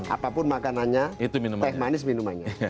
apapun makanannya teh manis minumannya